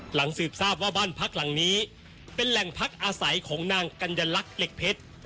หลังสืบทราบว่าบ้านพักหลังนี้เป็นแหล่งพักอาศัยของนางกัญลักษณ์เหล็กเพชร